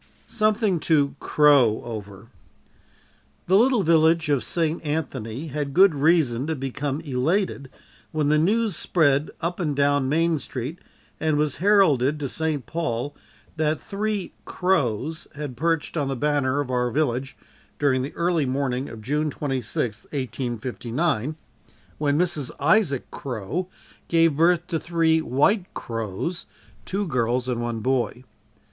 Something to Crowe Over. The little village of St. Anthony had good reason to become elated when the news spread up and down Main street and was heralded to St. Paul, that three "Crowes" had perched on the banner of our village during the early morning of June 26th, 1859, when Mrs. Isaac Crowe gave birth to three white Crowes, two girls and one boy.